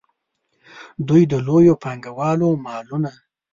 دوی د لویو پانګوالو مالونه.